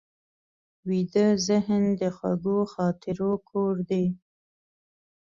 ویده ذهن د خوږو خاطرو کور دی